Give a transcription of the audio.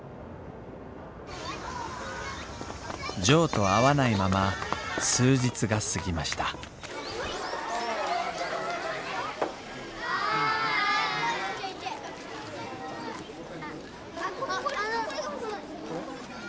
ジョーと会わないまま数日が過ぎましたあ！